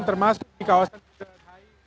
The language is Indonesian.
termasuk di kawasan bundaran hi